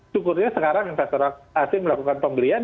syukurnya sekarang investor asing melakukan pembelian